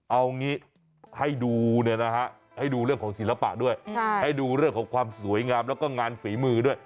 เอางี้ให้ดูเนี่ยนะฮะให้ดูเรื่องของศิลปะด้วยให้ดูเรื่องของความสวยงามแล้วก็งานฝีมือด้วย